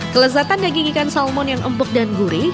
kelezatan daging ikan salmon yang empuk dan gurih